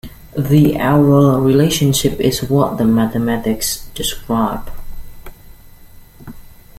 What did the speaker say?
This aural relationship is what the mathematics describe.